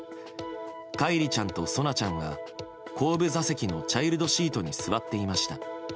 叶一里ちゃんと蒼菜ちゃんは後部座席のチャイルドシートに座っていました。